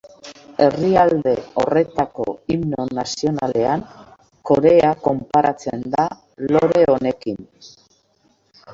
Herrialde horretako himno nazionalean Korea konparatzen da lore honekin.